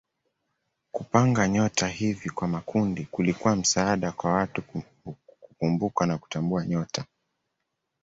Kupanga nyota hivi kwa makundi kulikuwa msaada kwa watu kukumbuka na kutambua nyota.